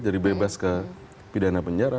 jadi bebas ke pidana penjara